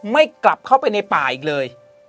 ไม่กลับเข้าไปในป่าอีกเลย